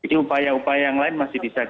jadi upaya upaya yang lain masih bisa kita